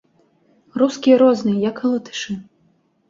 Рускія розныя, як і латышы.